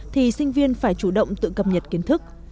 thì sinh viên phải chủ động tự cập nhật kiến thức